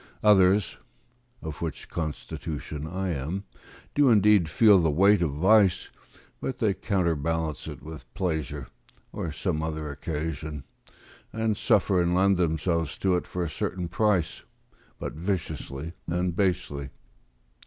Others (of which constitution I am) do indeed feel the weight of vice, but they counterbalance it with pleasure, or some other occasion; and suffer and lend themselves to it for a certain price, but viciously and basely.